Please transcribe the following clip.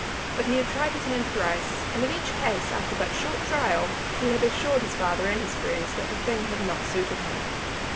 But he had tried his hand thrice, and in each case, after but short trial, had assured his father and his friends that the thing had not suited him.